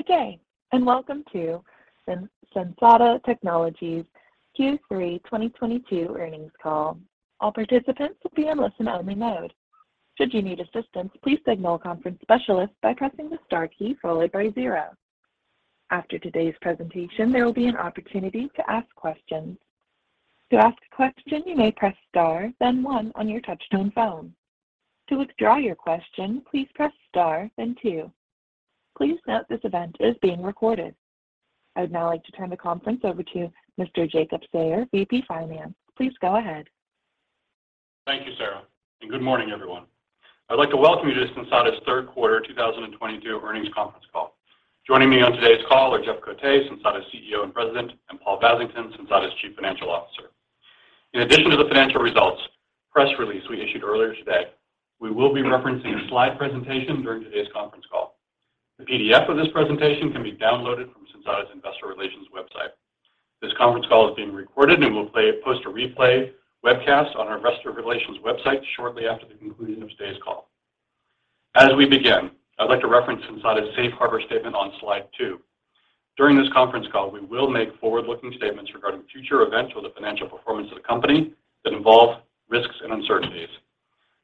Good day, and welcome to Sensata Technologies Q3 2022 Earnings Call. All participants will be in listen only mode. Should you need assistance, please signal a conference specialist by pressing the star key followed by zero. After today's presentation, there will be an opportunity to ask questions. To ask a question, you may press Star, then one on your touchtone phone. To withdraw your question, please press Star, then two. Please note this event is being recorded. I would now like to turn the conference over to Mr. Jacob Sayer, VP Finance. Please go ahead. Thank you, Sarah, and good morning, everyone. I'd like to welcome you to Sensata's Third Quarter 2022 Earnings Conference Call. Joining me on today's call are Jeff Cote, Sensata's CEO and President, and Paul Vasington, Sensata's Chief Financial Officer. In addition to the financial results press release we issued earlier today, we will be referencing a slide presentation during today's conference call. The PDF of this presentation can be downloaded from Sensata's Investor Relations website. This conference call is being recorded and we'll post a replay webcast on our Investor Relations website shortly after the conclusion of today's call. As we begin, I'd like to reference Sensata's Safe Harbor statement on slide 2. During this conference call, we will make forward-looking statements regarding future events or the financial performance of the company that involve risks and uncertainties.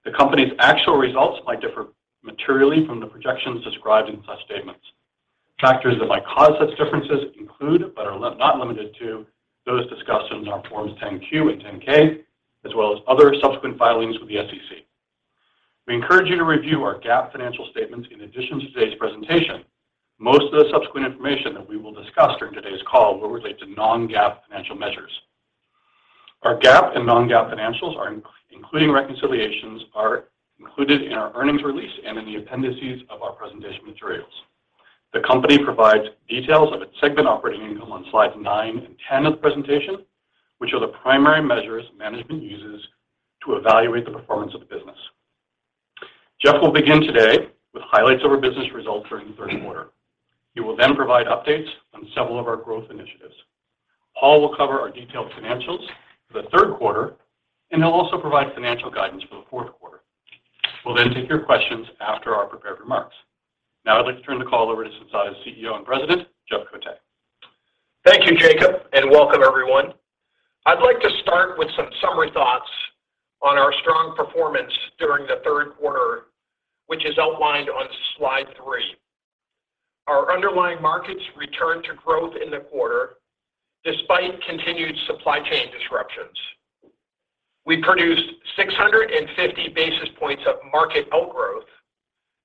The company's actual results may differ materially from the projections described in such statements. Factors that might cause such differences include, but are not limited to, those discussed in our Forms 10-Q and 10-K, as well as other subsequent filings with the SEC. We encourage you to review our GAAP financial statements in addition to today's presentation. Most of the subsequent information that we will discuss during today's call will relate to non-GAAP financial measures. Our GAAP and non-GAAP financials, including reconciliations, are included in our earnings release and in the appendices of our presentation materials. The company provides details of its segment operating income on slides 9 and 10 of the presentation, which are the primary measures management uses to evaluate the performance of the business. Jeff Cote will begin today with highlights of our business results during the third quarter. He will then provide updates on several of our growth initiatives. Paul will cover our detailed financials for the third quarter, and he'll also provide financial guidance for the fourth quarter. We'll then take your questions after our prepared remarks. Now, I'd like to turn the call over to Sensata's CEO and President, Jeff Cote. Thank you, Jacob, and welcome everyone. I'd like to start with some summary thoughts on our strong performance during the third quarter, which is outlined on slide 3. Our underlying markets returned to growth in the quarter despite continued supply chain disruptions. We produced 650 basis points of market outgrowth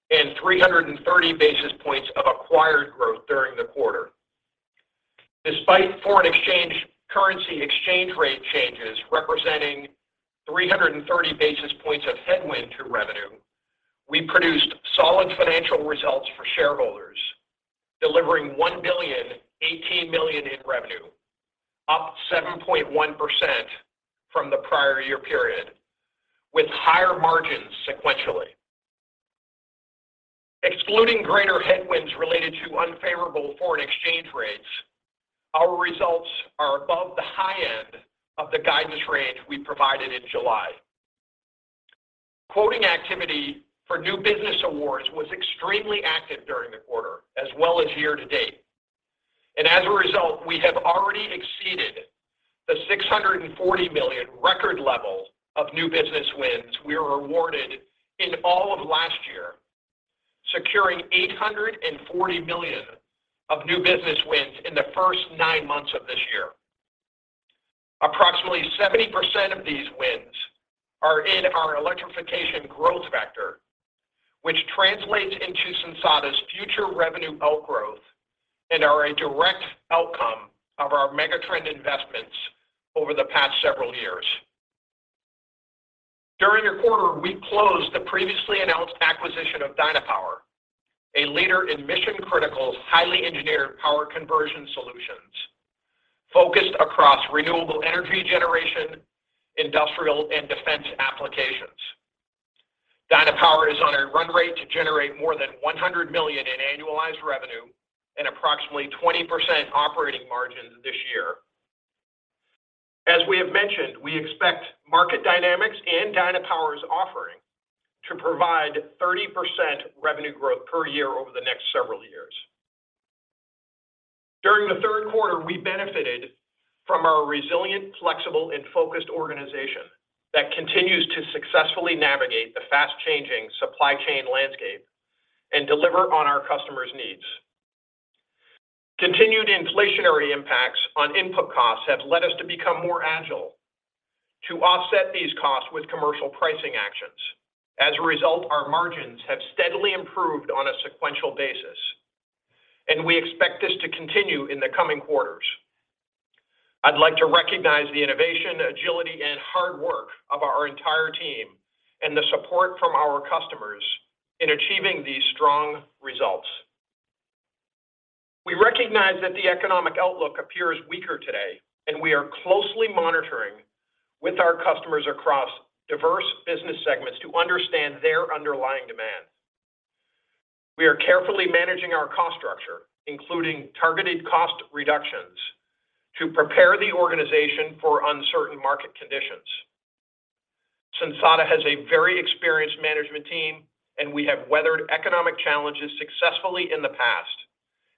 and 330 basis points of acquired growth during the quarter. Despite foreign exchange currency exchange rate changes representing 330 basis points of headwind to revenue, we produced solid financial results for shareholders, delivering $1.018 billion in revenue, up 7.1% from the prior year period, with higher margins sequentially. Excluding greater headwinds related to unfavorable foreign exchange rates, our results are above the high end of the guidance range we provided in July. Quoting activity for new business awards was extremely active during the quarter as well as year to date. As a result, we have already exceeded the $640 million record level of new business wins we were awarded in all of last year, securing $840 million of new business wins in the first 9 months of this year. Approximately 70% of these wins are in our electrification growth vector, which translates into Sensata's future revenue outgrowth and are a direct outcome of our megatrend investments over the past several years. During the quarter, we closed the previously announced acquisition of Dynapower, a leader in mission-critical, highly engineered power conversion solutions focused across renewable energy generation, industrial, and defense applications. Dynapower is on a run rate to generate more than $100 million in annualized revenue and approximately 20% operating margins this year. As we have mentioned, we expect market dynamics and Dynapower's offering to provide 30% revenue growth per year over the next several years. During the third quarter, we benefited from our resilient, flexible, and focused organization that continues to successfully navigate the fast-changing supply chain landscape and deliver on our customers' needs. Continued inflationary impacts on input costs have led us to become more agile to offset these costs with commercial pricing actions. As a result, our margins have steadily improved on a sequential basis, and we expect this to continue in the coming quarters. I'd like to recognize the innovation, agility, and hard work of our entire team and the support from our customers in achieving these strong results. We recognize that the economic outlook appears weaker today, and we are closely monitoring with our customers across diverse business segments to understand their underlying demand. We are carefully managing our cost structure, including targeted cost reductions, to prepare the organization for uncertain market conditions. Sensata has a very experienced management team, and we have weathered economic challenges successfully in the past,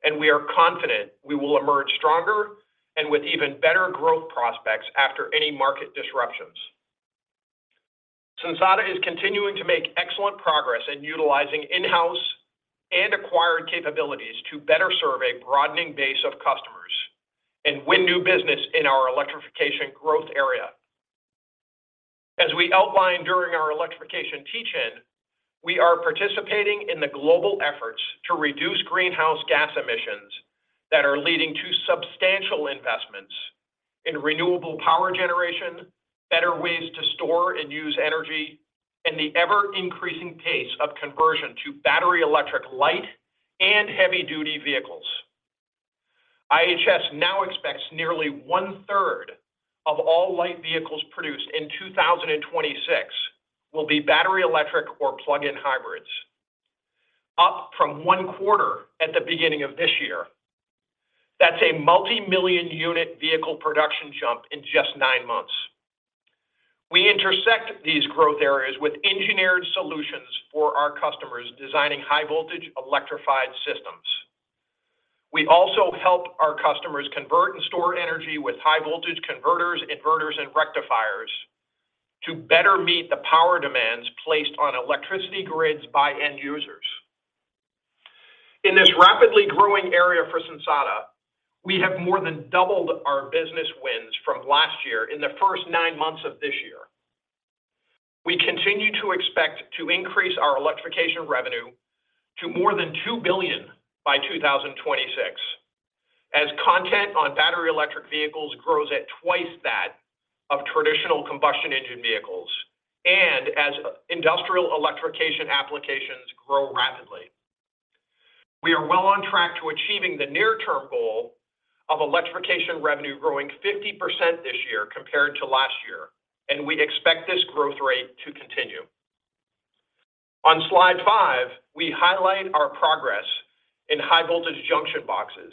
and we are confident we will emerge stronger and with even better growth prospects after any market disruptions. Sensata is continuing to make excellent progress in utilizing in-house and acquired capabilities to better serve a broadening base of customers and win new business in our electrification growth area. As we outlined during our electrification teach-in, we are participating in the global efforts to reduce greenhouse gas emissions that are leading to substantial investments in renewable power generation, better ways to store and use energy, and the ever-increasing pace of conversion to battery electric light and heavy-duty vehicles. IHS now expects nearly 1/3 of all light vehicles produced in 2026 will be battery electric or plug-in hybrids, up from 1/4 at the beginning of this year. That's a multi-million unit vehicle production jump in just nine months. We intersect these growth areas with engineered solutions for our customers designing high voltage electrified systems. We also help our customers convert and store energy with high voltage converters, inverters, and rectifiers to better meet the power demands placed on electricity grids by end users. In this rapidly growing area for Sensata, we have more than doubled our business wins from last year in the first nine months of this year. We continue to expect to increase our electrification revenue to more than $2 billion by 2026 as content on battery electric vehicles grows at twice that of traditional combustion engine vehicles and as industrial electrification applications grow rapidly. We are well on track to achieving the near term goal of electrification revenue growing 50% this year compared to last year, and we expect this growth rate to continue. On slide 5, we highlight our progress in High Voltage Junction Boxes,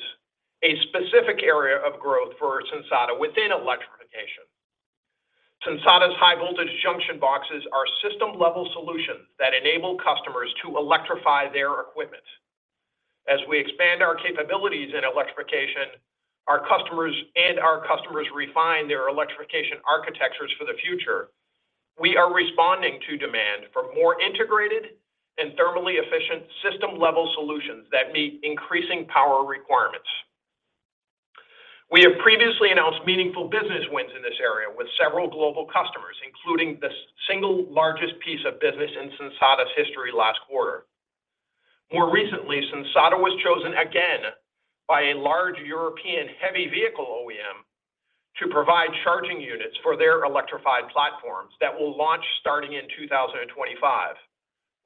a specific area of growth for Sensata within electrification. Sensata's High Voltage Junction Boxes are system-level solutions that enable customers to electrify their equipment. As we expand our capabilities in electrification, our customers refine their electrification architectures for the future. We are responding to demand for more integrated and thermally efficient system-level solutions that meet increasing power requirements. We have previously announced meaningful business wins in this area with several global customers, including the single largest piece of business in Sensata's history last quarter. More recently, Sensata was chosen again by a large European heavy vehicle OEM to provide charging units for their electrified platforms that will launch starting in 2025,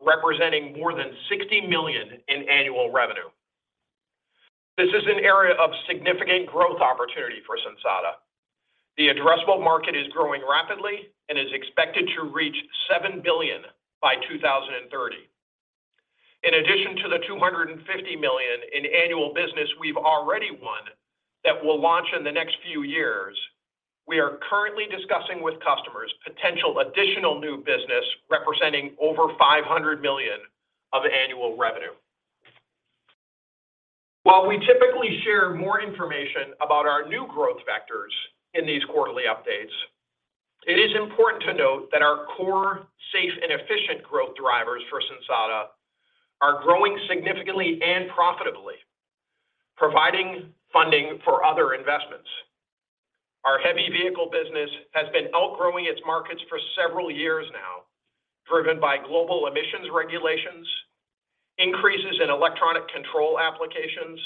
representing more than $60 million in annual revenue. This is an area of significant growth opportunity for Sensata. The addressable market is growing rapidly and is expected to reach $7 billion by 2030. In addition to the $250 million in annual business we've already won that will launch in the next few years, we are currently discussing with customers potential additional new business representing over $500 million of annual revenue. While we typically share more information about our new growth vectors in these quarterly updates, it is important to note that our core safe and efficient growth drivers for Sensata are growing significantly and profitably, providing funding for other investments. Our heavy vehicle business has been outgrowing its markets for several years now, driven by global emissions regulations, increases in electronic control applications,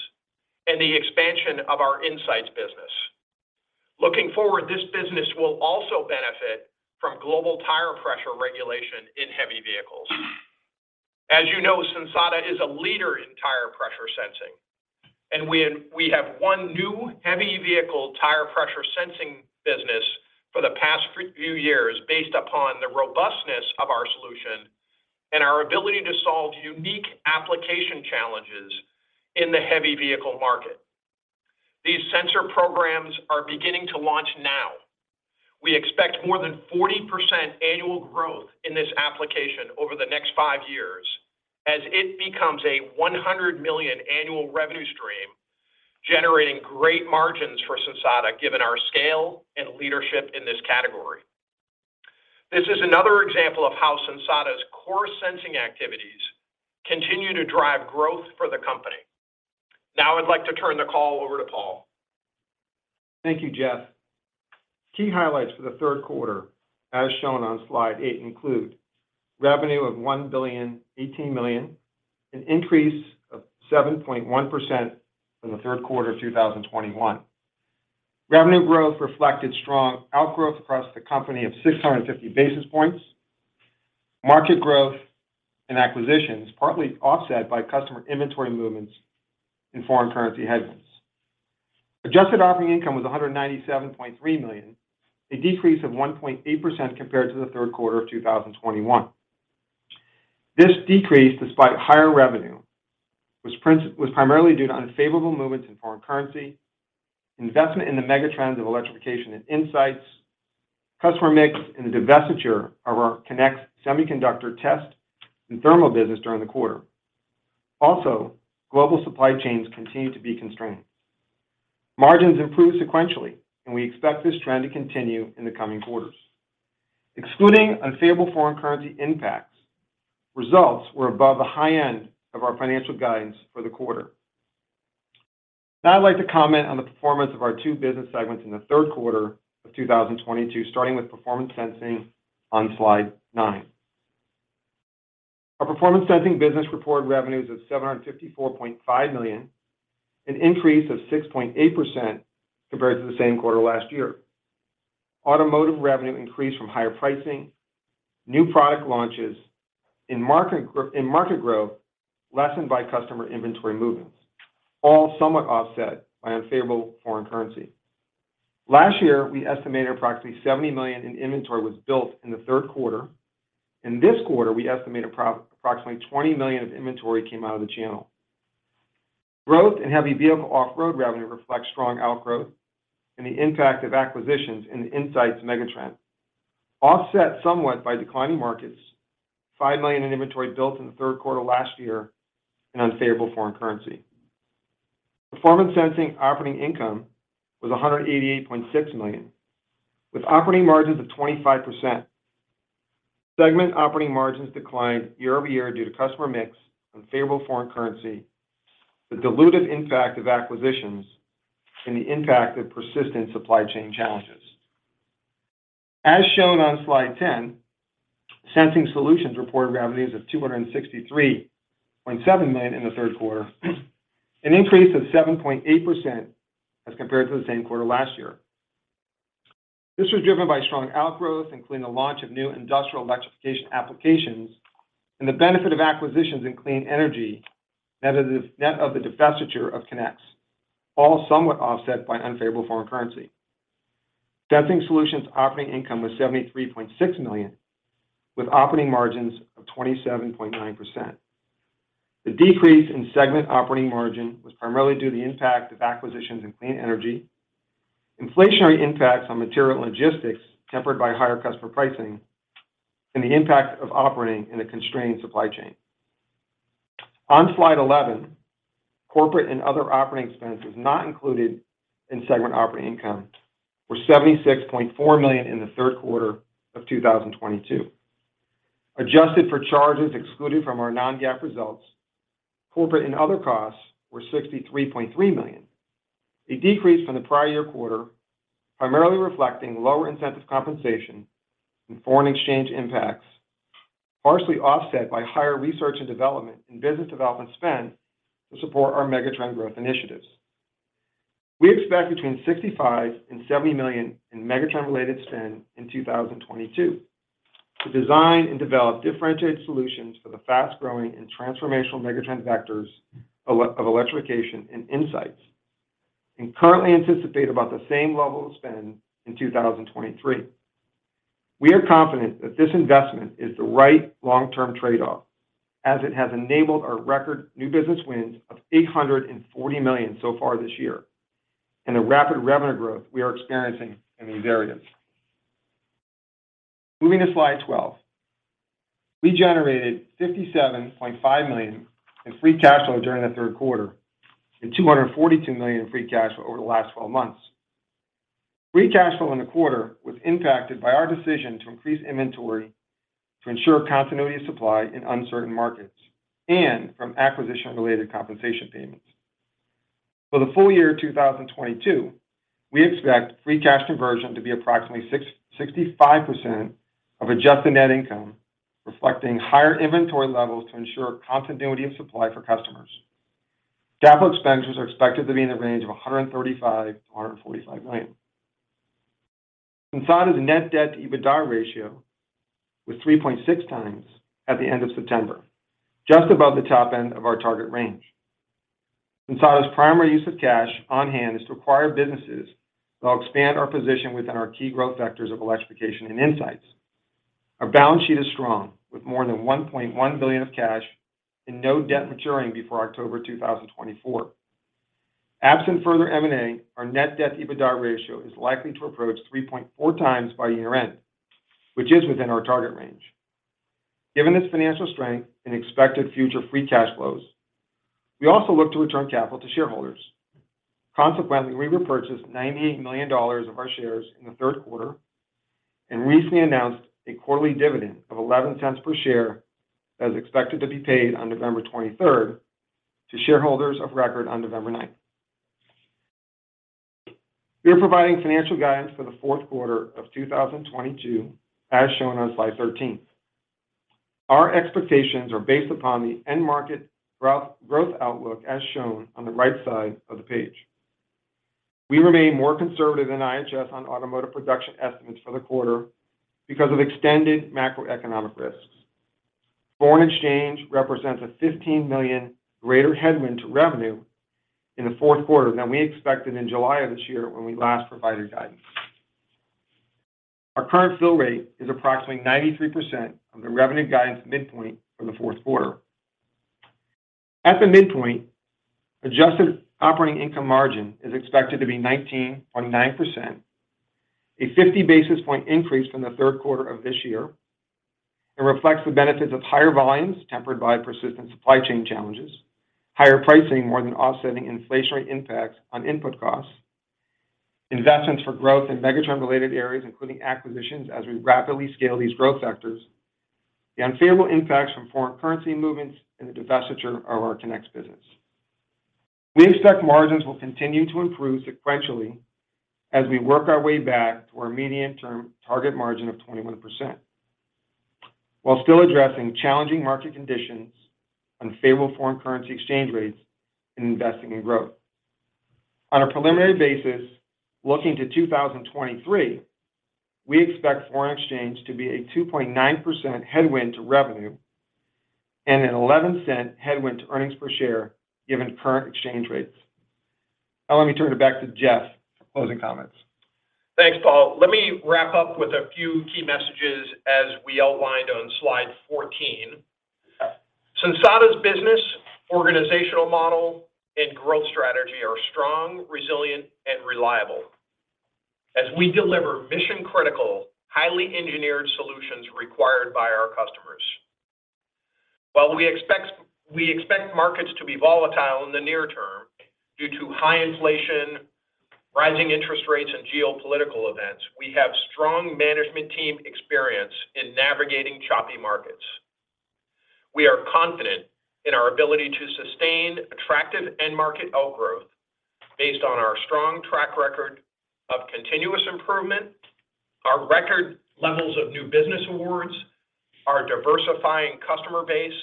and the expansion of our insights business. Looking forward, this business will also benefit from global tire pressure regulation in heavy vehicles. As you know, Sensata is a leader in tire pressure sensing, and we have won new heavy vehicle tire pressure sensing business for the past few years based upon the robustness of our solution and our ability to solve unique application challenges in the heavy vehicle market. These sensor programs are beginning to launch now. We expect more than 40% annual growth in this application over the next 5 years as it becomes a $100 million annual revenue stream, generating great margins for Sensata, given our scale and leadership in this category. This is another example of how Sensata's core sensing activities continue to drive growth for the company. Now I'd like to turn the call over to Paul. Thank you, Jeff. Key highlights for the third quarter, as shown on slide 8, include revenue of $1.018 billion, an increase of 7.1% from the third quarter of 2021. Revenue growth reflected strong outgrowth across the company of 650 basis points. Market growth and acquisitions partly offset by customer inventory movements and foreign currency headwinds. Adjusted operating income was $197.3 million, a decrease of 1.8% compared to the third quarter of 2021. This decrease despite higher revenue was primarily due to unfavorable movements in foreign currency, investment in the megatrends of electrification and insights, customer mix, and the divestiture of our Qinex semiconductor test and thermal business during the quarter. Also, global supply chains continue to be constrained. Margins improved sequentially, and we expect this trend to continue in the coming quarters. Excluding unfavorable foreign currency impacts, results were above the high end of our financial guidance for the quarter. Now I'd like to comment on the performance of our two business segments in the third quarter of 2022, starting with Performance Sensing on slide 9. Our Performance Sensing Business reported revenues of $754.5 million, an increase of 6.8% compared to the same quarter last year. Automotive revenue increased from higher pricing, new product launches, and market growth lessened by customer inventory movements, all somewhat offset by unfavorable foreign currency. Last year, we estimated approximately $70 million in inventory was built in the third quarter. In this quarter, we estimate approximately $20 million of inventory came out of the channel. Growth in heavy vehicle off-road revenue reflects strong outgrowth and the impact of acquisitions in the Insights Megatrend, offset somewhat by declining markets, $5 million in inventory built in the third quarter last year, and unfavorable foreign currency. Performance Sensing operating income was $188.6 million, with operating margins of 25%. Segment operating margins declined year-over-year due to customer mix, unfavorable foreign currency, the dilutive impact of acquisitions, and the impact of persistent supply chain challenges. As shown on slide 10, Sensing Solutions reported revenues of $263.7 million in the third quarter, an increase of 7.8% as compared to the same quarter last year. This was driven by strong outgrowth, including the launch of new industrial electrification applications and the benefit of acquisitions in clean energy, net of the divestiture of Qinex, all somewhat offset by unfavorable foreign currency. Sensing Solutions operating income was $73.6 million, with operating margins of 27.9%. The decrease in segment operating margin was primarily due to the impact of acquisitions in clean energy, inflationary impacts on material logistics tempered by higher customer pricing, and the impact of operating in a constrained supply chain. On slide 11, corporate and other operating expenses not included in segment operating income were $76.4 million in the third quarter of 2022. Adjusted for charges excluded from our non-GAAP results, corporate and other costs were $63.3 million, a decrease from the prior year quarter, primarily reflecting lower incentive compensation and foreign exchange impacts, partially offset by higher research and development and business development spend to support our megatrend growth initiatives. We expect between $65 million and $70 million in megatrend-related spend in 2022 to design and develop differentiated solutions for the fast-growing and transformational megatrend vectors of electrification and insights, and currently anticipate about the same level of spend in 2023. We are confident that this investment is the right long-term trade-off, as it has enabled our record new business wins of $840 million so far this year and the rapid revenue growth we are experiencing in these areas. Moving to slide 12. We generated $57.5 million in free cash flow during the third quarter and $242 million in free cash flow over the last twelve months. Free cash flow in the quarter was impacted by our decision to increase inventory to ensure continuity of supply in uncertain markets and from acquisition-related compensation payments. For the full year 2022, we expect free cash conversion to be approximately 65% of adjusted net income, reflecting higher inventory levels to ensure continuity of supply for customers. CapEx expenditures are expected to be in the range of $135 million-$145 million. Sensata's net debt to EBITDA ratio was 3.6 times at the end of September, just above the top end of our target range. Sensata's primary use of cash on hand is to acquire businesses that will expand our position within our key growth vectors of electrification and insights. Our balance sheet is strong, with more than $1.1 billion of cash and no debt maturing before October 2024. Absent further M&A, our net debt to EBITDA ratio is likely to approach 3.4x by year-end, which is within our target range. Given this financial strength and expected future free cash flows, we also look to return capital to shareholders. Consequently, we repurchased $98 million of our shares in the third quarter and recently announced a quarterly dividend of $0.11 per share that is expected to be paid on November 23 to shareholders of record on November 9. We are providing financial guidance for the fourth quarter of 2022 as shown on slide 13. Our expectations are based upon the end market growth outlook as shown on the right side of the page. We remain more conservative than IHS on automotive production estimates for the quarter because of extended macroeconomic risks. Foreign exchange represents a $15 million greater headwind to revenue in the fourth quarter than we expected in July of this year when we last provided guidance. Our current fill rate is approximately 93% of the revenue guidance midpoint for the fourth quarter. At the midpoint, adjusted operating income margin is expected to be 19.9%, a 50 basis point increase from the third quarter of this year. It reflects the benefits of higher volumes tempered by persistent supply chain challenges, higher pricing more than offsetting inflationary impacts on input costs, investments for growth in megatrend-related areas, including acquisitions as we rapidly scale these growth sectors, the unfavorable impacts from foreign currency movements, and the divestiture of our Qinex business. We expect margins will continue to improve sequentially as we work our way back to our medium-term target margin of 21% while still addressing challenging market conditions, unfavorable foreign currency exchange rates, and investing in growth. On a preliminary basis, looking to 2023, we expect foreign exchange to be a 2.9% headwind to revenue and a $0.11 headwind to earnings per share given current exchange rates. Now let me turn it back to Jeff Cote for closing comments. Thanks, Paul. Let me wrap up with a few key messages as we outlined on slide 14. Sensata's business, organizational model, and growth strategy are strong, resilient, and reliable as we deliver mission-critical, highly engineered solutions required by our customers. While we expect markets to be volatile in the near term due to high inflation, rising interest rates, and geopolitical events, we have strong management team experience in navigating choppy markets. We are confident in our ability to sustain attractive end market L growth based on our strong track record of continuous improvement, our record levels of new business awards, our diversifying customer base,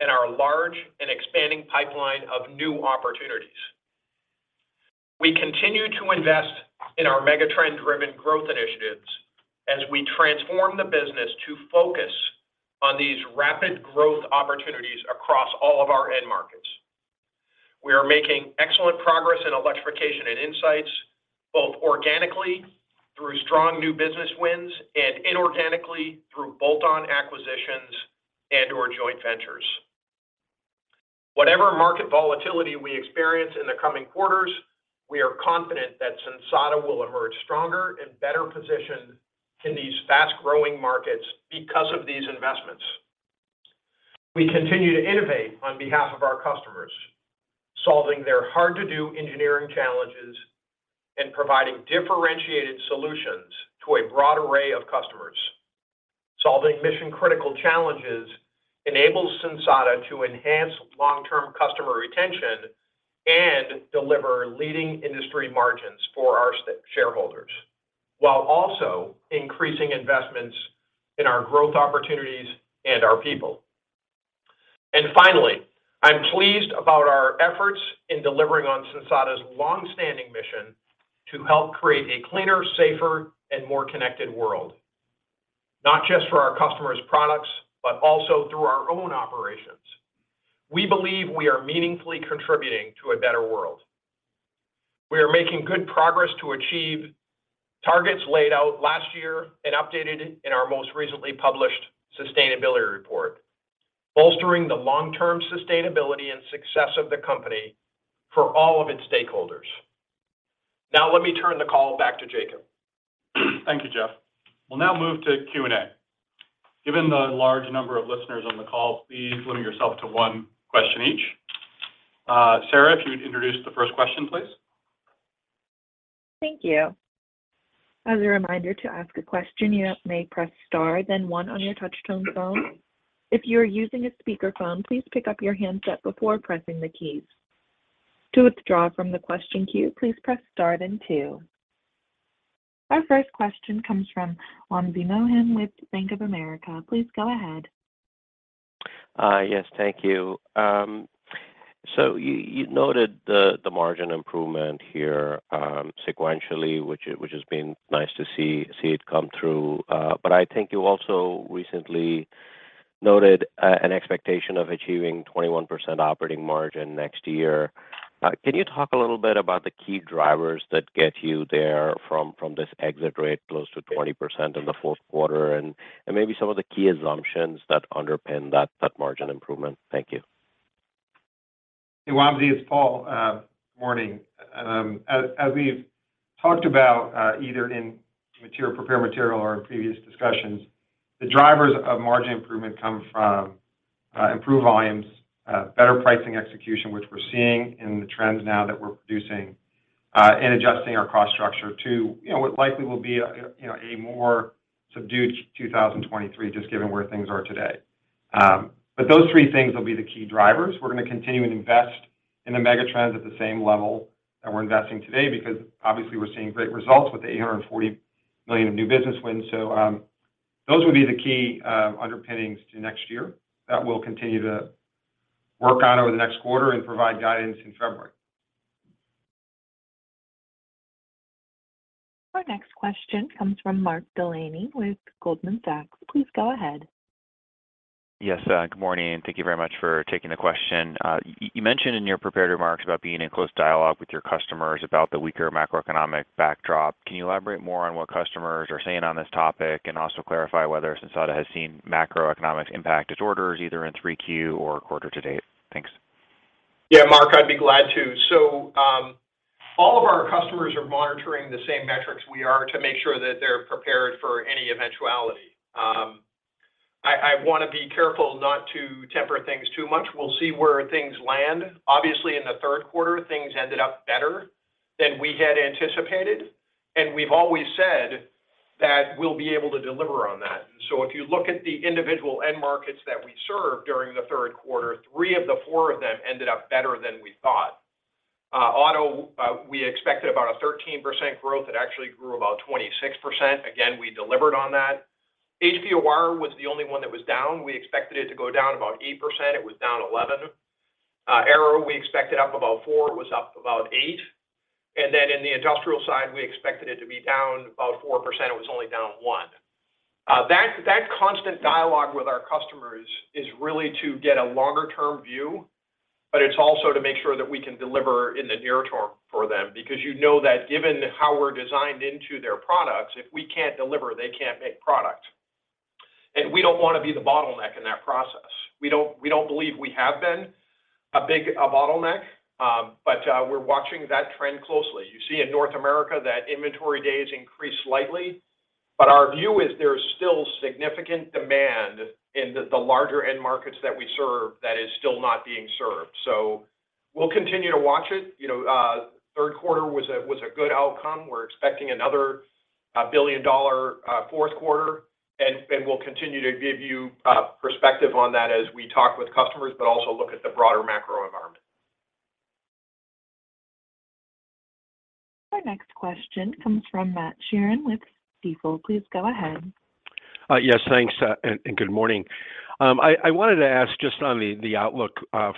and our large and expanding pipeline of new opportunities. We continue to invest in our megatrend-driven growth initiatives as we transform the business to focus on these rapid growth opportunities across all of our end markets. We are making excellent progress in electrification and insights, both organically through strong new business wins and inorganically through bolt-on acquisitions and/or joint ventures. Whatever market volatility we experience in the coming quarters, we are confident that Sensata will emerge stronger and better positioned in these fast-growing markets because of these investments. We continue to innovate on behalf of our customers, solving their hard-to-do engineering challenges and providing differentiated solutions to a broad array of customers. Solving mission-critical challenges enables Sensata to enhance long-term customer retention and deliver leading industry margins for our stakeholders, while also increasing investments in our growth opportunities and our people. Finally, I'm pleased about our efforts in delivering on Sensata's long-standing mission to help create a cleaner, safer, and more connected world, not just for our customers' products, but also through our own operations. We believe we are meaningfully contributing to a better world. We are making good progress to achieve targets laid out last year and updated in our most recently published sustainability report, bolstering the long-term sustainability and success of the company for all of its stakeholders. Now let me turn the call back to Jacob. Thank you, Jeff. We'll now move to Q&A. Given the large number of listeners on the call, please limit yourself to one question each. Sarah, if you would introduce the first question, please. Thank you. As a reminder, to ask a question, you may press star then one on your touch-tone phone. If you are using a speakerphone, please pick up your handset before pressing the keys. To withdraw from the question queue, please press star then two. Our first question comes from Wamsi Mohan with Bank of America. Please go ahead. Yes, thank you. You noted the margin improvement here sequentially, which has been nice to see it come through. I think you also recently noted an expectation of achieving 21% operating margin next year. Can you talk a little bit about the key drivers that get you there from this exit rate close to 20% in the fourth quarter and maybe some of the key assumptions that underpin that margin improvement? Thank you. Wamsi, it's Paul. Morning. As we've talked about, either in prepared material or in previous discussions, the drivers of margin improvement come from improved volumes, better pricing execution, which we're seeing in the trends now that we're producing, and adjusting our cost structure to, you know, what likely will be a more subdued 2023 just given where things are today. Those three things will be the key drivers. We're gonna continue to invest in the megatrends at the same level that we're investing today because obviously we're seeing great results with the $840 million of new business wins. Those would be the key underpinnings to next year that we'll continue to work on over the next quarter and provide guidance in February. Our next question comes from Mark Delaney with Goldman Sachs. Please go ahead. Yes. Good morning, thank you very much for taking the question. You mentioned in your prepared remarks about being in close dialogue with your customers about the weaker macroeconomic backdrop. Can you elaborate more on what customers are saying on this topic? Also clarify whether Sensata has seen macroeconomics impact its orders, either in 3Q or quarter to date. Thanks. Yeah, Mark, I'd be glad to. All of our customers are monitoring the same metrics we are to make sure that they're prepared for any eventuality. I wanna be careful not to temper things too much. We'll see where things land. Obviously, in the third quarter, things ended up better than we had anticipated, and we've always said that we'll be able to deliver on that. If you look at the individual end markets that we serve during the third quarter, three of the four of them ended up better than we thought. Auto, we expected about a 13% growth, it actually grew about 26%. Again, we delivered on that. HVOR was the only one that was down. We expected it to go down about 8%, it was down 11%. Aero we expected up about 4%, it was up about 8%. Then in the industrial side, we expected it to be down about 4%, it was only down 1%. That constant dialogue with our customers is really to get a longer term view, but it's also to make sure that we can deliver in the near term for them. Because you know that given how we're designed into their products, if we can't deliver, they can't make product. We don't wanna be the bottleneck in that process. We don't believe we have been a bottleneck, but we're watching that trend closely. You see in North America that inventory days increased slightly, but our view is there's still significant demand in the larger end markets that we serve that is still not being served. We'll continue to watch it. You know, third quarter was a good outcome. We're expecting another $1 billion fourth quarter, and we'll continue to give you perspective on that as we talk with customers, but also look at the broader macro environment. Our next question comes from Matthew Sheerin with Stifel. Please go ahead. Yes, thanks, and good morning. I wanted to ask just on the outlook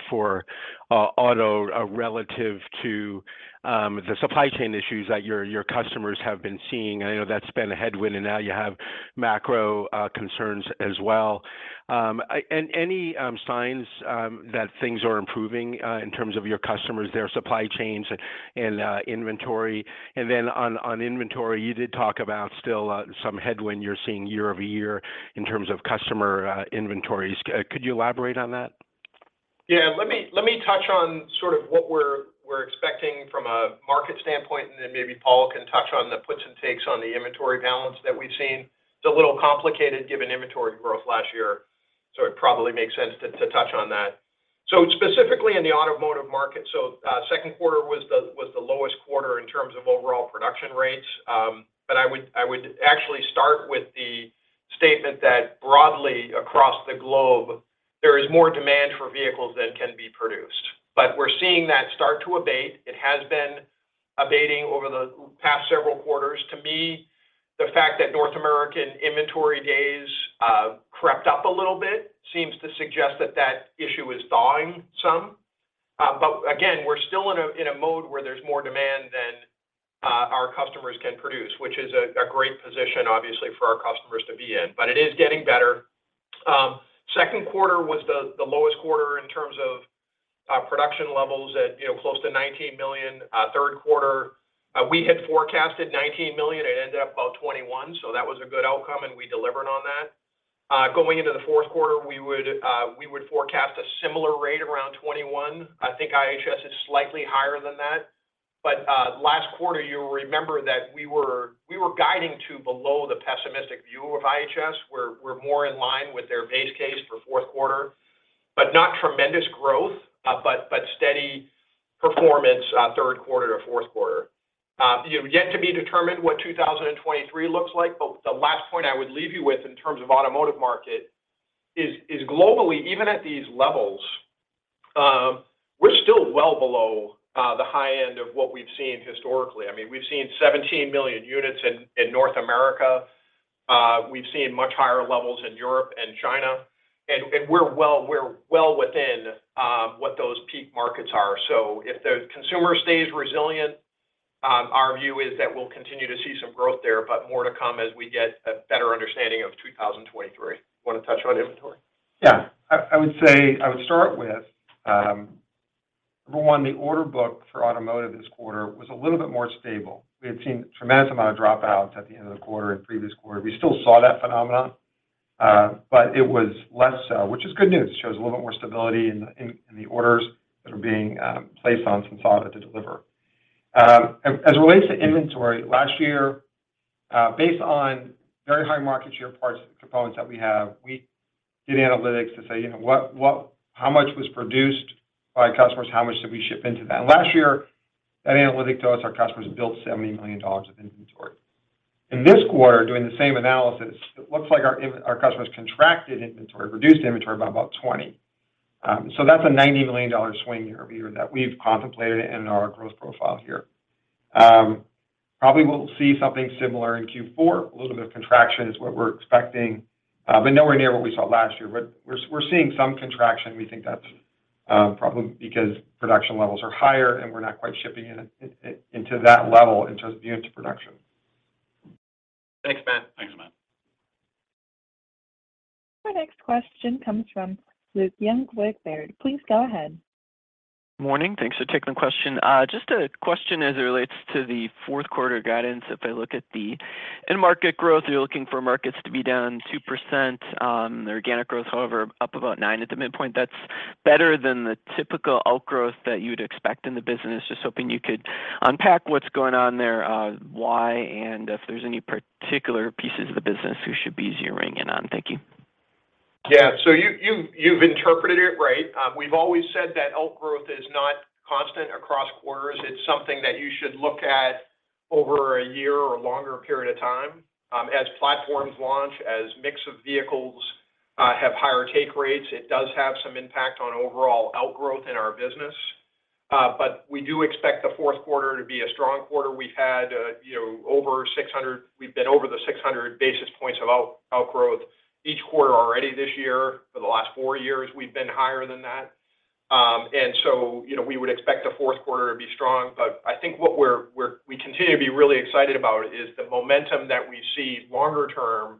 for auto relative to the supply chain issues that your customers have been seeing. I know that's been a headwind and now you have macro concerns as well. Any signs that things are improving in terms of your customers, their supply chains and inventory? Then on inventory, you did talk about still some headwind you're seeing year-over-year in terms of customer inventories. Could you elaborate on that? Yeah. Let me touch on sort of what we're expecting from a market standpoint, and then maybe Paul can touch on the puts and takes on the inventory balance that we've seen. It's a little complicated given inventory growth last year, so it probably makes sense to touch on that. Specifically in the automotive market. Second quarter was the lowest quarter in terms of overall production rates. I would actually start with the statement that broadly across the globe, there is more demand for vehicles than can be produced. We're seeing that start to abate. It has been abating over the past several quarters. To me, the fact that North American inventory days crept up a little bit seems to suggest that issue is thawing some. Again, we're still in a mode where there's more demand than our customers can produce, which is a great position obviously for our customers to be in. It is getting better. Second quarter was the lowest quarter in terms of production levels at close to 19 million. Third quarter, we had forecasted 19 million, it ended up about 21, so that was a good outcome and we delivered on that. Going into the fourth quarter, we would forecast a similar rate around 21. I think IHS is slightly higher than that. Last quarter, you'll remember that we were guiding to below the pessimistic view of IHS. We're more in line with their base case for fourth quarter, but not tremendous growth, but steady performance, third quarter to fourth quarter. You know, yet to be determined what 2023 looks like, but the last point I would leave you with in terms of automotive market is globally, even at these levels, we're still well below the high end of what we've seen historically. I mean, we've seen 17 million units in North America. We've seen much higher levels in Europe and China, and we're well within what those peak markets are. If the consumer stays resilient, our view is that we'll continue to see some growth there, but more to come as we get a better understanding of 2023. Wanna touch on inventory? Yeah. I would start with number one, the order book for automotive this quarter was a little bit more stable. We had seen a tremendous amount of drop out at the end of the quarter and previous quarter. We still saw that phenomena, but it was less so, which is good news. It shows a little bit more stability in the orders that are being placed on Sensata to deliver. As it relates to inventory, last year, based on very high market share parts components that we have, we did analytics to say, you know, what how much was produced by customers? How much did we ship into that? Last year, that analytic told us our customers built $70 million of inventory. In this quarter, doing the same analysis, it looks like our customers contracted inventory, reduced inventory by about 20%. That's a $90 million swing year-over-year that we've contemplated in our growth profile here. Probably we'll see something similar in Q4. A little bit of contraction is what we're expecting, but nowhere near what we saw last year. We're seeing some contraction. We think that's probably because production levels are higher and we're not quite shipping it into that level in terms of unit production. Thanks, Matt. Thanks, Matt. Our next question comes from Luke Junk with Baird. Please go ahead. Morning. Thanks for taking the question. Just a question as it relates to the fourth quarter guidance. If I look at the end market growth, you're looking for markets to be down 2%. The organic growth, however, up about 9% at the midpoint. That's better than the typical outgrowth that you'd expect in the business. Just hoping you could unpack what's going on there, why, and if there's any particular pieces of the business we should be zeroing in on. Thank you. Yeah. You've interpreted it right. We've always said that outgrowth is not constant across quarters. It's something that you should look at over a year or longer period of time. As platforms launch, as mix of vehicles have higher take rates, it does have some impact on overall outgrowth in our business. We do expect the fourth quarter to be a strong quarter. We've been over the 600 basis points of outgrowth each quarter already this year. For the last four years, we've been higher than that. You know, we would expect the fourth quarter to be strong. I think what we continue to be really excited about is the momentum that we see longer term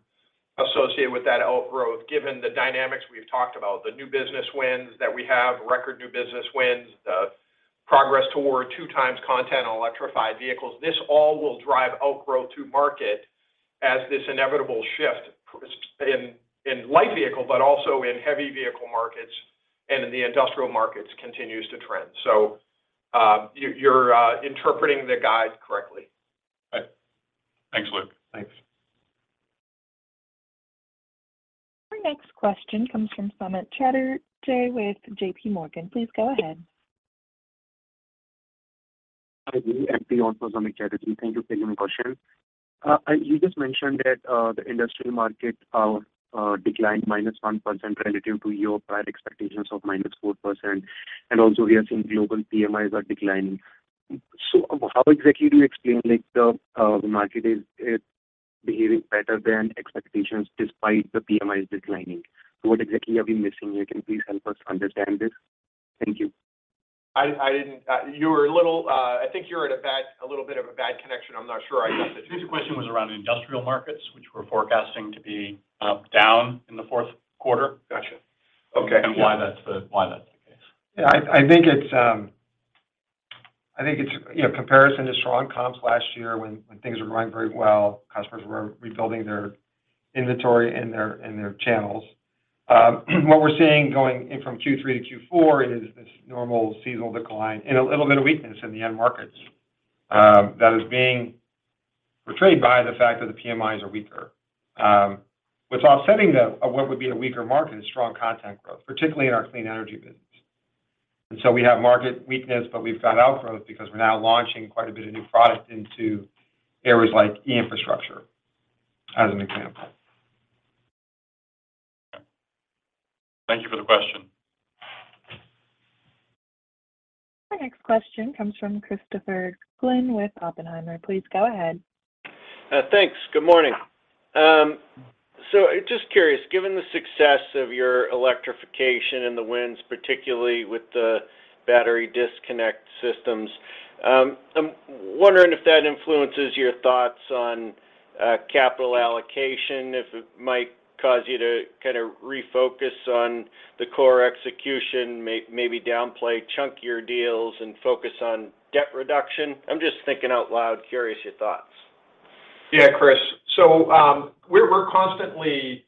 associated with that outgrowth, given the dynamics we've talked about, the new business wins that we have, record new business wins, the progress toward 2x content on electrified vehicles. This all will drive outgrowth to market as this inevitable shift in light vehicle, but also in heavy vehicle markets and in the industrial markets continues to trend. You are interpreting the guide correctly. Right. Thanks, Luke. Thanks. Our next question comes from Samik Chatterjee with JPMorgan. Please go ahead. Hi, Lee and also Samik Chatterjee. Thank you for taking my question. You just mentioned that the industrial market declined -1% relative to your prior expectations of -4%. Also we are seeing global PMIs are declining. How exactly do you explain, like, the market is behaving better than expectations despite the PMIs declining? What exactly are we missing? Can you please help us understand this? Thank you. I didn't. You were a little. I think you had a little bit of a bad connection. I'm not sure I got that. I think the question was around industrial markets, which we're forecasting to be down in the fourth quarter. Got you. Okay. Why that's the case. Yeah. I think it's, you know, comparison to strong comps last year when things were running very well, customers were rebuilding their inventory and their channels. What we're seeing going in from Q3 to Q4 is this normal seasonal decline and a little bit of weakness in the end markets, that is being portrayed by the fact that the PMIs are weaker. What's offsetting what would be the weaker market is strong content growth, particularly in our clean energy business. We have market weakness, but we've got outgrowth because we're now launching quite a bit of new product into areas like e-infrastructure, as an example. Thank you for the question. Our next question comes from Christopher Glynn with Oppenheimer. Please go ahead. Thanks. Good morning. Just curious, given the success of your electrification and the wins, particularly with the battery disconnect systems, I'm wondering if that influences your thoughts on capital allocation, if it might cause you to kinda refocus on the core execution, maybe downplay chunkier deals and focus on debt reduction. I'm just thinking out loud. Curious your thoughts. Yeah, Chris. We're constantly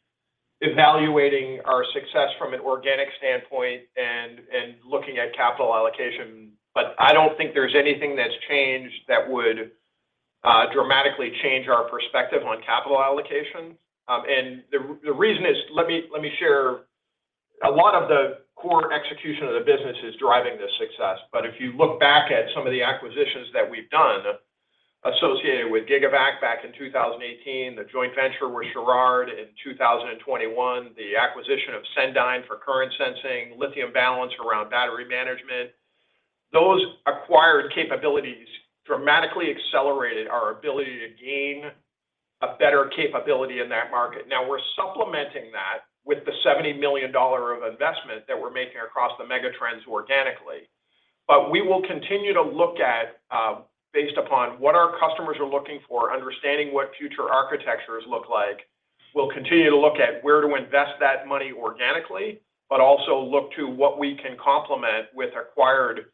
evaluating our success from an organic standpoint and looking at capital allocation. I don't think there's anything that's changed that would dramatically change our perspective on capital allocation. The reason is. Let me share. A lot of the core execution of the business is driving this success. If you look back at some of the acquisitions that we've done associated with GIGAVAC back in 2018, the joint venture with Churod in 2021, the acquisition of Sendyne for current sensing, Lithium Balance around battery management, those acquired capabilities dramatically accelerated our ability to gain a better capability in that market. Now, we're supplementing that with the $70 million of investment that we're making across the mega trends organically. We will continue to look at, based upon what our customers are looking for, understanding what future architectures look like. We'll continue to look at where to invest that money organically, but also look to what we can complement with acquired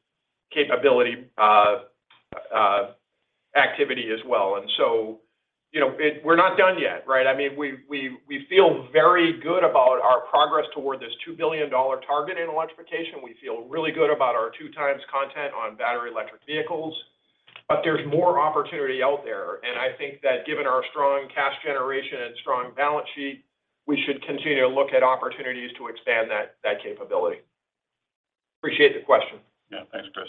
capability, activity as well. You know, we're not done yet, right? I mean, we feel very good about our progress toward this $2 billion target in electrification. We feel really good about our 2x content on battery electric vehicles. There's more opportunity out there. I think that given our strong cash generation and strong balance sheet, we should continue to look at opportunities to expand that capability. Appreciate the question. Yeah. Thanks, Chris.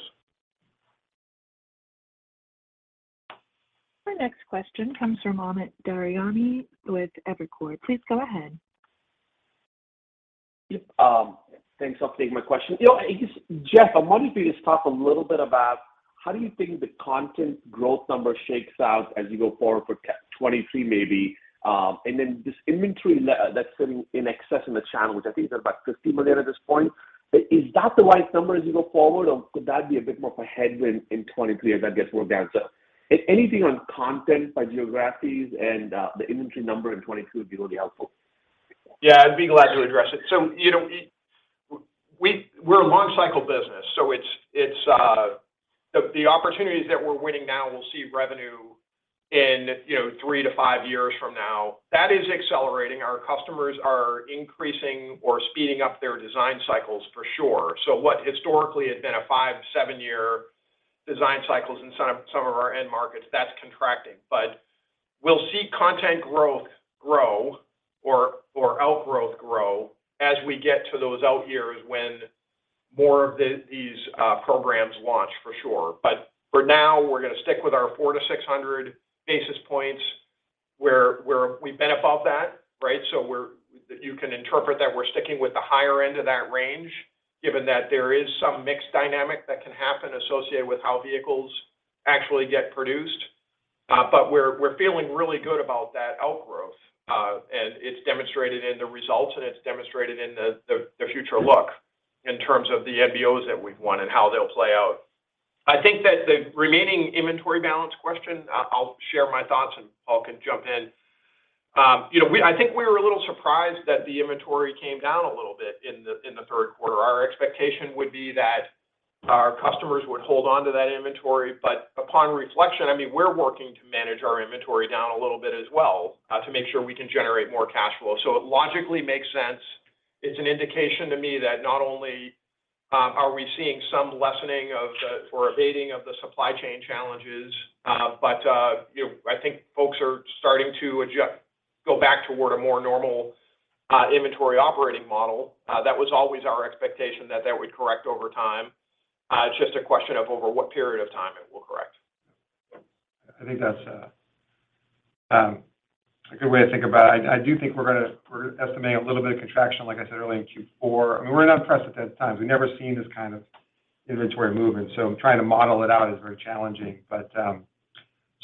Our next question comes from Amit Daryanani with Evercore. Please go ahead. Yep. Thanks for taking my question. You know, just, Jeff, I'm wondering if you just talk a little bit about how do you think the content growth number shakes out as you go forward for 2023 maybe. Then this inventory level that's sitting in excess in the channel, which I think is about $50 million at this point. Is that the right number as you go forward, or could that be a bit more of a headwind in 2023 as that gets worked down? If anything on content by geographies and the inventory number in 2022 would be really helpful. Yeah, I'd be glad to address it. You know, we're a long cycle business, so it's the opportunities that we're winning now will see revenue in, you know, 3-5 years from now. That is accelerating. Our customers are increasing or speeding up their design cycles, for sure. What historically had been a 5-7-year design cycles in some of our end markets, that's contracting. We'll see content growth or outgrowth grow as we get to those out years when more of these programs launch, for sure. For now, we're gonna stick with our 400-600 basis points where we've been above that, right? You can interpret that we're sticking with the higher end of that range given that there is some mixed dynamic that can happen associated with how vehicles actually get produced. We're feeling really good about that outgrowth, and it's demonstrated in the results, and it's demonstrated in the future look in terms of the NBOs that we've won and how they'll play out. I think that the remaining inventory balance question, I'll share my thoughts and Paul can jump in. You know, I think we were a little surprised that the inventory came down a little bit in the third quarter. Our expectation would be that our customers would hold onto that inventory. Upon reflection, I mean, we're working to manage our inventory down a little bit as well, to make sure we can generate more cash flow. It logically makes sense. It's an indication to me that not only are we seeing some lessening or abating of the supply chain challenges, but you know, I think folks are starting to go back toward a more normal inventory operating model. That was always our expectation that that would correct over time. It's just a question of over what period of time it will correct. I think that's a good way to think about it. I do think we're estimating a little bit of contraction, like I said earlier, in Q4. I mean, we're in unprecedented times. We've never seen this kind of inventory movement, so trying to model it out is very challenging.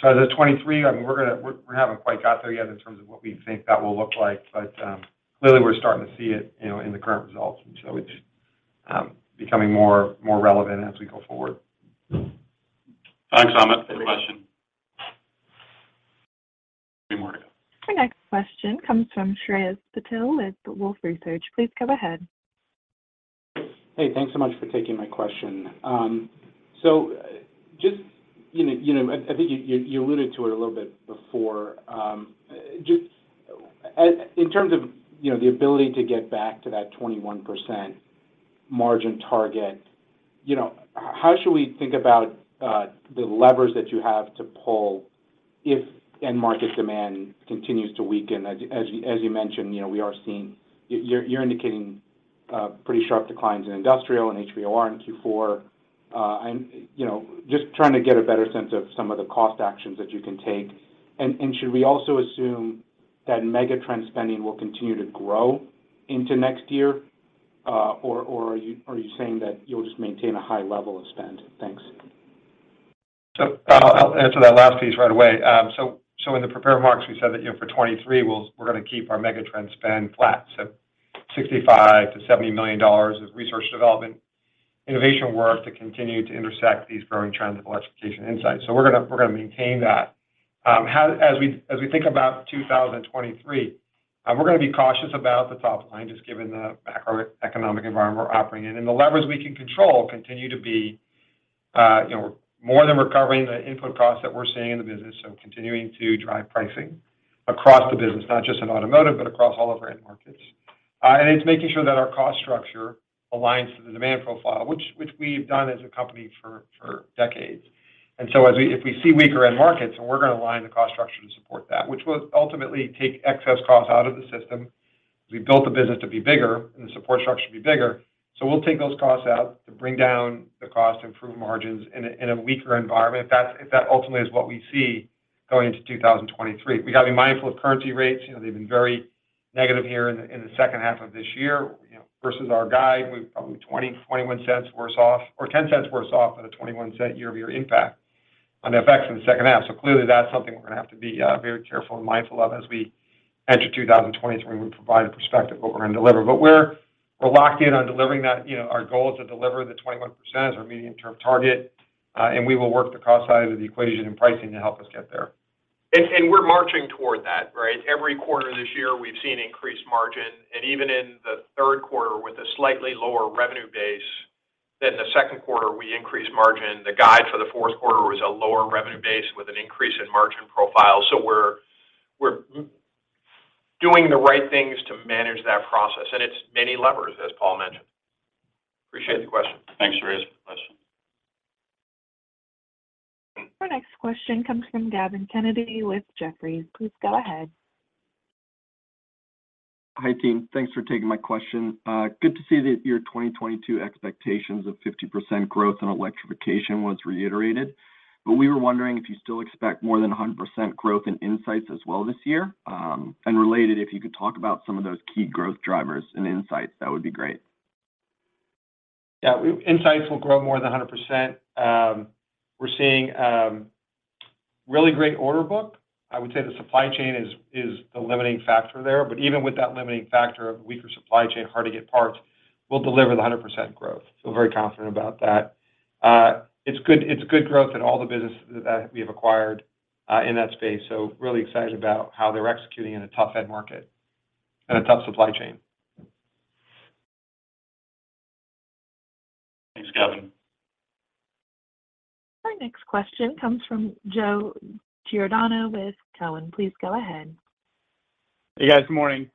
2023, I mean, we haven't quite got there yet in terms of what we think that will look like. Clearly we're starting to see it, you know, in the current results. It's becoming more relevant as we go forward. Thanks, Amit, for the question. Any more? Our next question comes from Shreyas Patil with Wolfe Research. Please go ahead. Hey, thanks so much for taking my question. So just, you know, I think you alluded to it a little bit before. Just in terms of, you know, the ability to get back to that 21% margin target, you know, how should we think about the levers that you have to pull if end market demand continues to weaken? As you mentioned, you know, we are seeing. You're indicating pretty sharp declines in industrial and HVOR in Q4. I'm, you know, just trying to get a better sense of some of the cost actions that you can take. Should we also assume that megatrend spending will continue to grow into next year? Or are you saying that you'll just maintain a high level of spend? Thanks. I'll answer that last piece right away. In the prepared remarks, we said that for 2023 we're gonna keep our mega trend spend flat. $65 million-$70 million is research development innovation work to continue to intersect these growing trends of electrification insights. We're gonna maintain that. As we think about 2023, we're gonna be cautious about the top line, just given the macroeconomic environment we're operating in. The levers we can control continue to be more than recovering the input costs that we're seeing in the business, so continuing to drive pricing across the business, not just in automotive, but across all of our end markets. It's making sure that our cost structure aligns to the demand profile, which we've done as a company for decades. If we see weaker end markets, then we're gonna align the cost structure to support that, which will ultimately take excess costs out of the system. We built the business to be bigger and the support structure to be bigger. We'll take those costs out to bring down the cost to improve margins in a weaker environment if that ultimately is what we see going into 2023. We gotta be mindful of currency rates. You know, they've been very negative here in the second half of this year. You know, versus our guide, we're probably $0.20-$0.21 worse off or $0.10 worse off on a $0.21 year-over-year impact on the FX in the second half. Clearly that's something we're gonna have to be very careful and mindful of as we enter 2023 when we provide a perspective of what we're gonna deliver. We're locked in on delivering that. You know, our goal is to deliver the 21% as our medium-term target, and we will work the cost side of the equation and pricing to help us get there. We're marching toward that, right? Every quarter this year we've seen increased margin. Even in the third quarter with a slightly lower revenue base than the second quarter, we increased margin. The guide for the fourth quarter was a lower revenue base with an increase in margin profile. We're doing the right things to manage that process. It's many levers, as Paul mentioned. Appreciate the question. Thanks, Shreyas, for the question. Our next question comes from David Kelley with Jefferies. Please go ahead. Hi, team. Thanks for taking my question. Good to see that your 2022 expectations of 50% growth in electrification was reiterated. We were wondering if you still expect more than 100% growth in insights as well this year. Related, if you could talk about some of those key growth drivers in insights, that would be great. Yeah. Insights will grow more than 100%. We're seeing really great order book. I would say the supply chain is the limiting factor there. Even with that limiting factor of weaker supply chain, hard to get parts, we'll deliver the 100% growth. Feel very confident about that. It's good growth in all the business that we have acquired in that space. Really excited about how they're executing in a tough end market and a tough supply chain. Thanks, Kelley. Our next question comes from Joe Giordano with Cowen. Please go ahead. Hey, guys. Morning.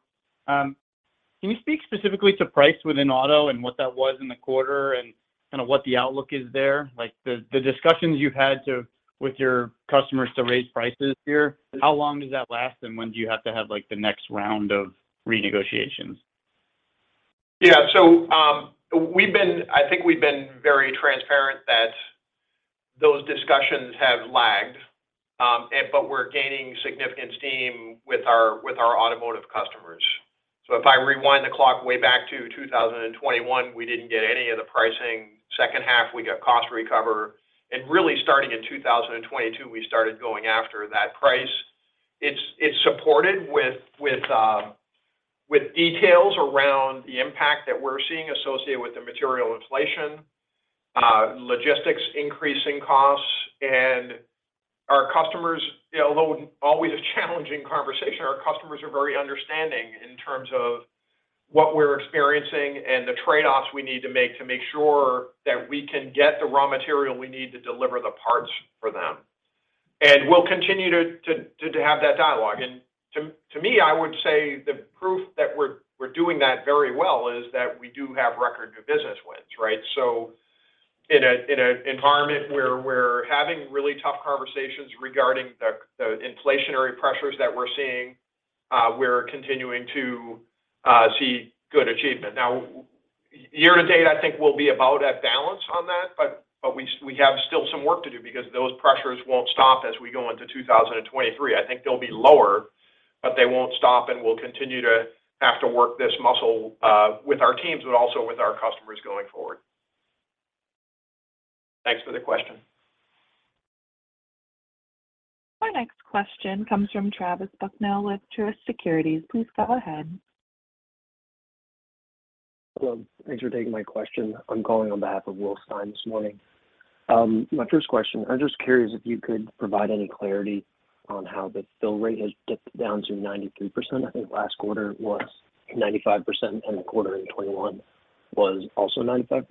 Can you speak specifically to price within auto and what that was in the quarter and kind of what the outlook is there? Like, the discussions you've had with your customers to raise prices here, how long does that last and when do you have to have, like, the next round of renegotiations? Yeah. I think we've been very transparent that those discussions have lagged, but we're gaining significant steam with our automotive customers. If I rewind the clock way back to 2021, we didn't get any of the pricing. Second half, we got cost recovery. Really, starting in 2022, we started going after that price. It's supported with details around the impact that we're seeing associated with the material inflation, logistics increasing costs. Our customers, although always a challenging conversation, are very understanding in terms of what we're experiencing and the trade-offs we need to make to make sure that we can get the raw material we need to deliver the parts for them. We'll continue to have that dialogue. To me, I would say the proof that we're doing that very well is that we do have record new business wins, right? In an environment where we're having really tough conversations regarding the inflationary pressures that we're seeing, we're continuing to see good achievement. Now, year to date, I think we'll be about at balance on that, but we have still some work to do because those pressures won't stop as we go into 2023. I think they'll be lower, but they won't stop, and we'll continue to have to work this muscle with our teams, but also with our customers going forward. Thanks for the question. Our next question comes from Travis Bucknall with Truist Securities. Please go ahead. Hello. Thanks for taking my question. I'm calling on behalf of Will Stein this morning. My first question, I'm just curious if you could provide any clarity on how the fill rate has dipped down to 93%. I think last quarter it was 95%, and the quarter in 2021 was also 95%.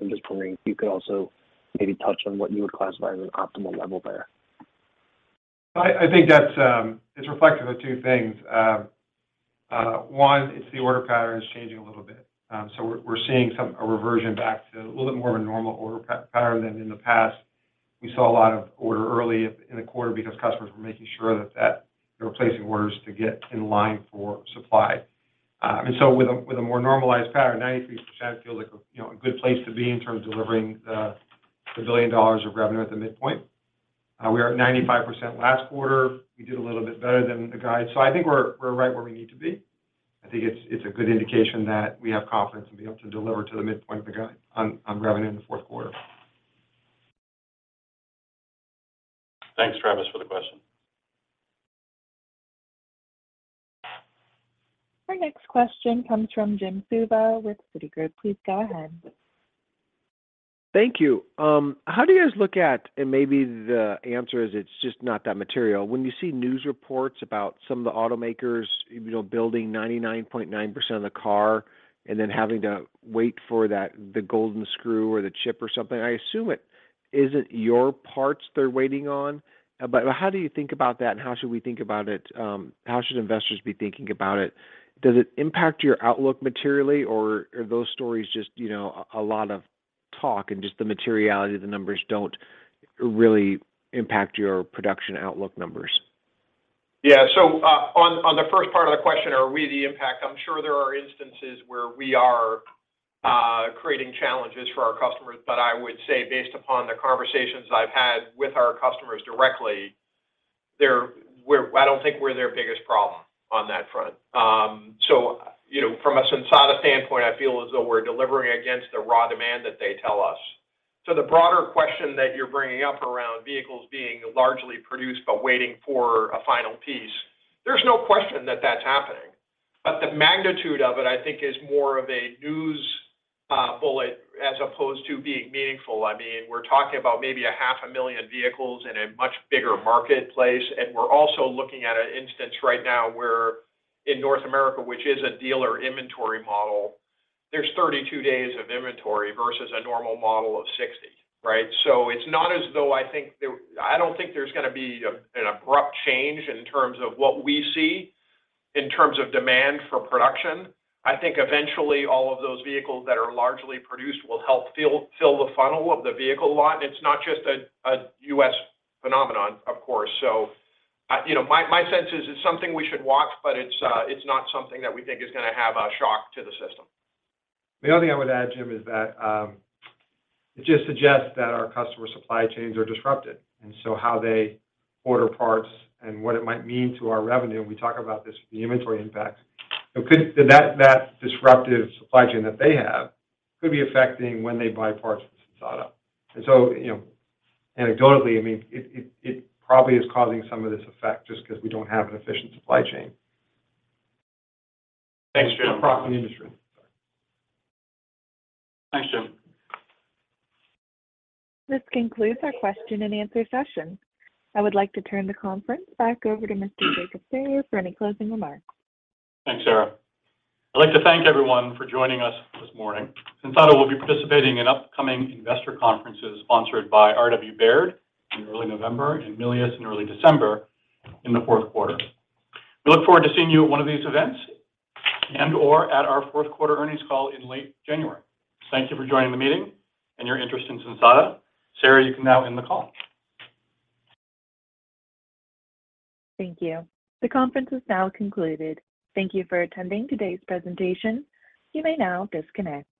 I'm just wondering if you could also maybe touch on what you would classify as an optimal level there. I think that's it's reflective of two things. One, it's the order pattern is changing a little bit. So we're seeing a reversion back to a little bit more of a normal order pattern than in the past. We saw a lot of order early in the quarter because customers were making sure that they were placing orders to get in line for supply. With a more normalized pattern, 93% feels like, you know, a good place to be in terms of delivering the $1 billion of revenue at the midpoint. We are at 95% last quarter. We did a little bit better than the guide. I think we're right where we need to be. I think it's a good indication that we have confidence and be able to deliver to the midpoint of the guide on revenue in the fourth quarter. Thanks, Travis, for the question. Our next question comes from Jim Suva with Citigroup. Please go ahead. Thank you. How do you guys look at, and maybe the answer is it's just not that material. When you see news reports about some of the automakers, you know, building 99.9% of the car and then having to wait for that, the golden screw or the chip or something, I assume it isn't your parts they're waiting on. But how do you think about that, and how should we think about it? How should investors be thinking about it? Does it impact your outlook materially, or are those stories just, you know, a lot of talk and just the materiality of the numbers don't really impact your production outlook numbers? Yeah. On the first part of the question, are we the impact? I'm sure there are instances where we are creating challenges for our customers, but I would say based upon the conversations I've had with our customers directly, I don't think we're their biggest problem on that front. You know, from a Sensata standpoint, I feel as though we're delivering against the raw demand that they tell us. To the broader question that you're bringing up around vehicles being largely produced but waiting for a final piece, there's no question that that's happening. The magnitude of it, I think, is more of a news bullet as opposed to being meaningful. I mean, we're talking about maybe 500,000 vehicles in a much bigger marketplace, and we're also looking at an instance right now where in North America, which is a dealer inventory model, there's 32 days of inventory versus a normal model of 60, right? It's not as though I think I don't think there's gonna be an abrupt change in terms of what we see in terms of demand for production. I think eventually all of those vehicles that are largely produced will help fill the funnel of the vehicle lot. It's not just a US phenomenon, of course. You know, my sense is it's something we should watch, but it's not something that we think is gonna have a shock to the system. The only thing I would add, Jim, is that it just suggests that our customer supply chains are disrupted, and so how they order parts and what it might mean to our revenue, and we talk about this with the inventory impact. That disruptive supply chain that they have could be affecting when they buy parts from Sensata. You know, anecdotally, I mean, it probably is causing some of this effect just 'cause we don't have an efficient supply chain. Thanks, Jim. Across the industry. Thanks, Jim. This concludes our question and answer session. I would like to turn the conference back over to Mr. Jacob Sayer for any closing remarks. Thanks, Sarah. I'd like to thank everyone for joining us this morning. Sensata will be participating in upcoming investor conferences sponsored by R.W. Baird in early November and Melius in early December in the fourth quarter. We look forward to seeing you at one of these events and/or at our Fourth Quarter Earnings Call in late January. Thank you for joining the meeting and your interest in Sensata. Sarah, you can now end the call. Thank you. The conference is now concluded. Thank you for attending today's presentation. You may now disconnect.